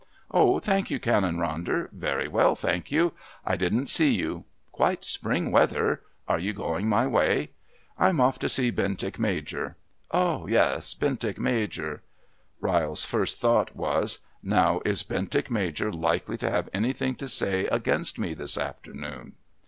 "Oh, thank you, Canon Ronder very well, thank you. I didn't see you. Quite spring weather. Are you going my way?" "I'm off to see Bentinck Major." "Oh, yes, Bentinck Major...." Ryle's first thought was "Now is Bentinck Major likely to have anything to say against me this afternoon?"